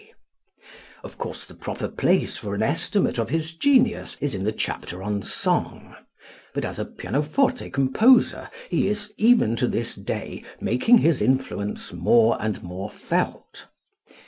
Of course, the proper place for an estimate of his genius is in the chapter on song, but as a pianoforte composer he is, even to this day, making his influence more and more felt.